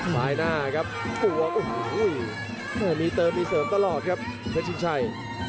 ซ้ายหน้าครับตัวโอ้โหมีเติมมีเสริมตลอดครับเพชรชินชัย